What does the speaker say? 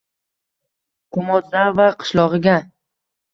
Komodzava qishlog`iga